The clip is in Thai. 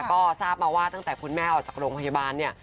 ก็ทราบมาว่าตั้งแต่คุณแม่ออกจากโรงพยาบาลเนี่ย